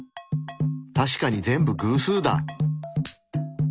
確かに全部偶数だ！